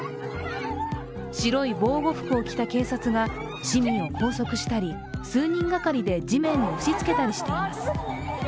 白い防護服を着た警察が市民を拘束したり数人がかりで地面に押しつけたりしています。